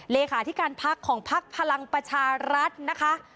เลขาธิการพักของพักพลังประชารัฐนะคะ